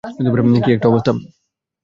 কী একটা অবস্থা!